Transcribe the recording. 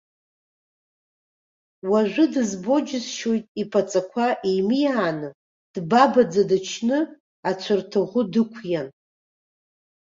Уажәы дызбо џьысшьоит, иԥаҵақәа еимиааны, дбабаӡа дычны, ацәарҭаӷәы дықәиан.